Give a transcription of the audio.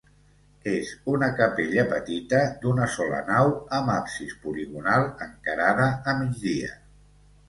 És una capella petita d'una sola nau amb absis poligonal, encarada a migdia.